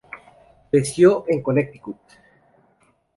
Creció en Connecticut.